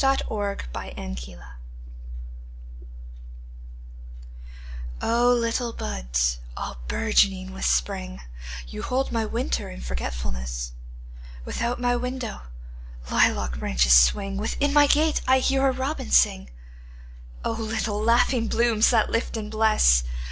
A Song in Spring O LITTLE buds all bourgeoning with Spring, You hold my winter in forgetfulness; Without my window lilac branches swing, Within my gate I hear a robin sing—O little laughing blooms that lift and bless!